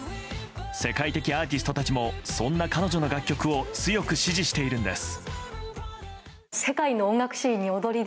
世界的アーティストたちもそんな彼女の楽曲を強く支持しているんです。